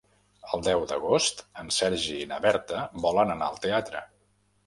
El deu d'agost en Sergi i na Berta volen anar al teatre.